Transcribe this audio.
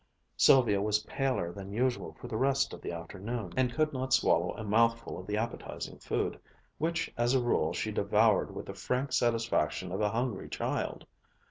Sylvia was paler than usual for the rest of the afternoon, and could not swallow a mouthful of the appetizing food, which as a rule she devoured with the frank satisfaction of a hungry child.